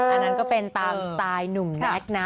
อันนั้นก็เป็นตามสไตล์หนุ่มแน็กนะ